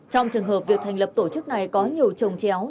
trong trường hợp việc thành lập tổ chức này có nhiều trồng chéo